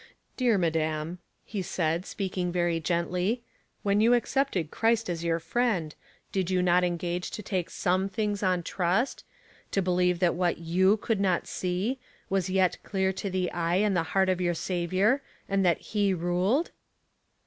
'' Dear madam," he said, speaking very gently, *' when you accepted Christ as your Friend, did you not engage to take 8ome things on trust, — to A Protector. 259 believe that what you could not see^ was yet clear to the eye and the heart of your Saviour, and that he ruled